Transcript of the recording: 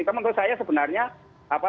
tapi menurut saya sebenarnya